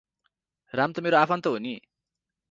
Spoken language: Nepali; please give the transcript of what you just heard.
राम त मेरो आफन्त हो नि ।